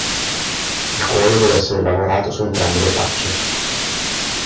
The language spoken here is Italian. Il cuoio deve essere lavorato su entrambe le facce.